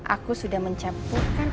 aku sudah mencampurkan